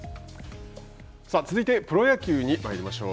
続いてプロ野球にまいりましょう。